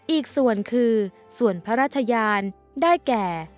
อีกส่วนคือส่วนพระราชยานได้แก่